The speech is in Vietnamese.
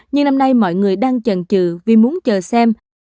nhưng năm nay mọi người đang chần chừ vì muốn chờ xem